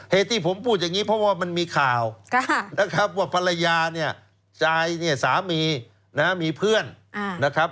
เหตุที่ผมพูดอย่างนี้เพราะว่ามันมีข่าวนะครับว่าภรรยาเนี่ยจายเนี่ยสามีนะมีเพื่อนนะครับ